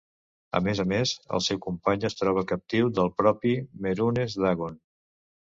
A més a més, el seu company es troba captiu del propi Mehrunes Dagon.